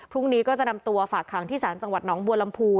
พรุ่งนี้ก็จะนำตัวฝากขังที่ศาลจังหวัดน้องบัวลำพู